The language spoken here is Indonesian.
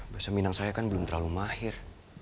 bahasa minang saya kan belum terlalu mahir